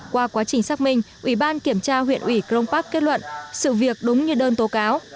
qua quá trình xác minh ủy ban kiểm tra huyện ủy crong park kết luận sự việc đúng như đơn tố cáo